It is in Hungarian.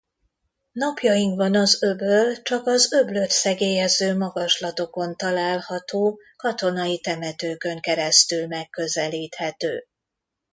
Napjainkban az öböl csak az öblöt szegélyező magaslatokon található katonai temetőkön keresztül megközelíthető.